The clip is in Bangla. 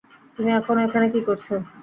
তুমি এখনো এখানে কী করছ?